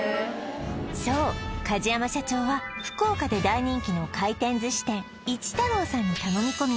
そう梶山社長は福岡で大人気の回転寿司店一太郎さんに頼み込み